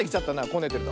こねてる。